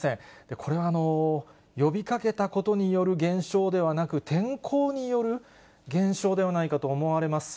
これは呼びかけたことによる減少ではなく、天候による減少ではないかと思われます。